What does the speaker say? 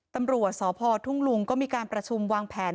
ตำรวจสพทุ่งลุงก็มีการประชุมวางแผน